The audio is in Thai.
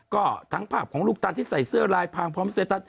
ก็ทั้งภาพของลูกตานที่ใส่เสื้อลายพางพร้อมเซตัส